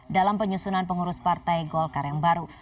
dalam penyusunan pengurus partai golkar yang baru